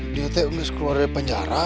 dia tak bisa keluar dari penjara